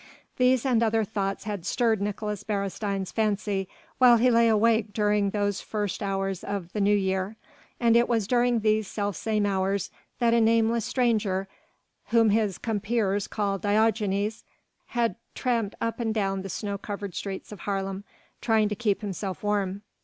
These and other thoughts had stirred Nicolaes Beresteyn's fancy while he lay awake during these the first hours of the New Year, and it was during those self same hours that a nameless stranger whom his compeers called Diogenes had tramped up and down the snow covered streets of Haarlem trying to keep himself warm.